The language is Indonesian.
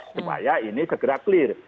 supaya ini segera clear